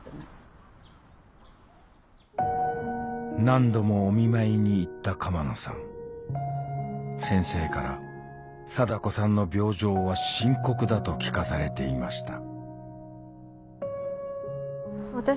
何度もお見舞いに行った川野さん先生から禎子さんの病状は深刻だと聞かされていました